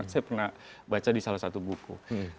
saya pernah baca di salah satu buku